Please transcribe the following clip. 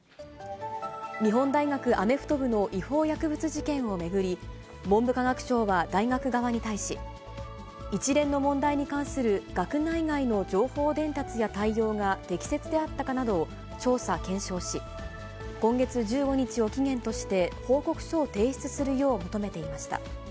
日本大学アメフト部の違法薬物事件を巡り、文部科学省は、大学側に対し、一連の問題に関する学内外の情報伝達や対応が適切であったかなどを調査・検証し、今月１５日を期限として報告書を提出するよう求めていました。